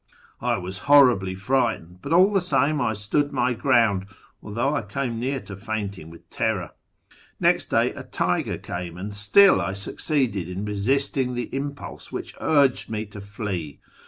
I was horribly frightened, but all the same I stood my ground, although I came near to fainting MYSTICISM, METAPHYSIC, AND MAGIC 149 with terror. Next day a tiger came, and still \ succeeded in resisting the impulse which urged me to flee.